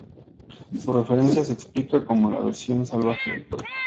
Su referencia se explica como la "versión salvaje" del puerco.